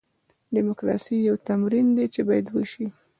ډیموکراسي یو تمرین دی چې باید وشي.